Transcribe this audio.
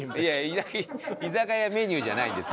居酒屋メニューじゃないんです。